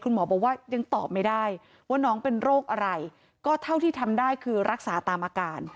หมอบอกว่ายังตอบไม่ได้ว่าน้องเป็นโรคอะไรก็เท่าที่ทำได้คือรักษาตามอาการ